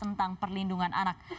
tentang perlindungan anak